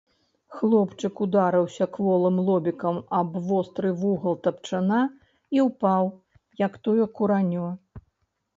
Хлопчык ударыўся кволым лобікам аб востры вугал тапчана і ўпаў, як тое куранё.